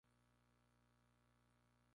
Imprimió panfletos contra el gobierno colonial.